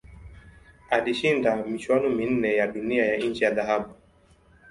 Alishinda michuano minne ya Dunia ya nje ya dhahabu.